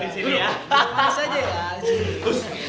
duduk di sini ya